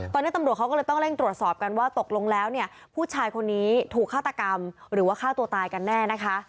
ตอนนี้ตำรวจเขาก็เลยต้องเร่งตรวจสอบกันว่าตกลงแล้วเนี่ยผู้ชายคนนี้ถูกฆาตกรรมหรือว่าฆ่าตัวตายกันแน่นะคะ